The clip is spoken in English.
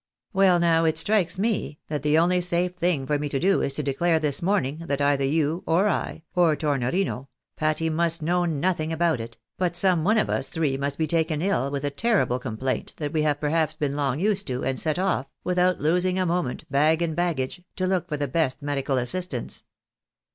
Well now, it strikes me, that the only safe thing for me to do, is to declare this morning that either you, or I, or Tornorino (Patty must know nothing about it) — but some one of us three must be taken ill with a terrible complaint that we have perhaps been long used to, and set off, without losing a moment, bag and baggage, to look for the best medical assistance.